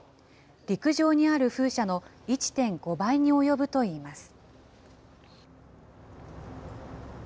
陸上にある風車の１．５倍におよぶといいます。